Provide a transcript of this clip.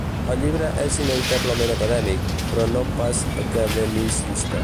El llibre és inevitablement acadèmic, però no pas academicista.